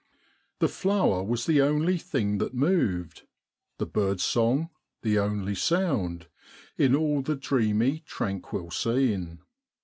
The flower was the only thing that moved, the bird's song the only sound, in all the dreamy tranquil scene.